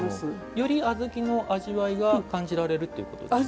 より小豆の味わいが感じられるということですか。